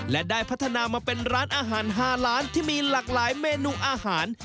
และได้พัฒนามาเป็นร้านอาหาร๕ล้านที่มีหลากหลายเมนูอาหาร